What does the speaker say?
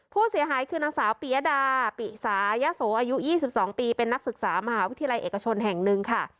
ผู้เสียหายคือนางสาวปียดาปิสายโสอายุ๒๒ปีเป็นนักศึกษามหาวิทยาลัยเอกชนแห่งหนึ่งค่ะ